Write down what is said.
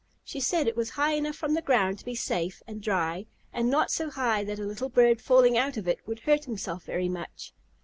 She said it was high enough from the ground to be safe and dry, and not so high that a little bird falling out of it would hurt himself very much.